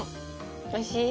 おいしい？